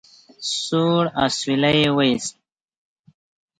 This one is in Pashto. سوړ اسويلی يې ويست.